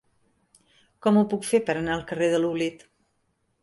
Com ho puc fer per anar al carrer de l'Oblit?